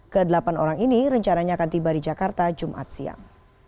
kedelapan orang ini rencananya akan tiba di jakarta jumat siang